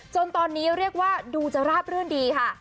จนตอนนี้เรียกว่าดูจะราบรื่นดีค่ะ